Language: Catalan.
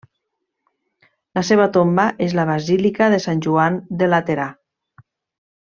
La seva tomba és a la basílica de Sant Joan del Laterà.